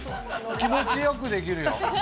気持ちよくできるよ。